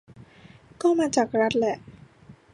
ก็มาจากรัฐแหละ